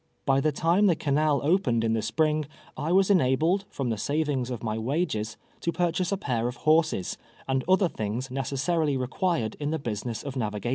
By the time the canal opened in the spring, I was enabled, from the savings of my wages, to purchase a pair of horses, and otlier thing's necessarily required in the business of naviiratiou.